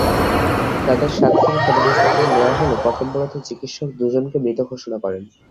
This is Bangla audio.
তাঁদের সাতক্ষীরা সদর হাসপাতালে নেওয়া হলে কর্তব্যরত চিকিৎসক দুজনকে মৃত ঘোষণা করেন।